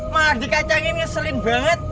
maha dikacangin ngeselin banget